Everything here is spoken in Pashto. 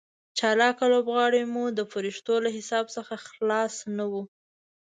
چالاکه لوبغاړي مو د فرښتو له حساب څخه خلاص نه وو.